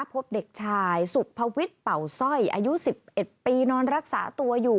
พบเด็กชายสุภวิทย์เป่าสร้อยอายุ๑๑ปีนอนรักษาตัวอยู่